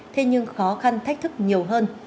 thế nhưng khó khăn thách thức nhiều hơn